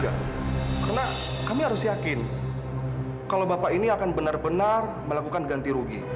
karena kami harus yakin kalau bapak ini akan benar benar melakukan ganti rugi